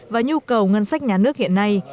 và nhu cầu ngân sách nhà nước hiện nay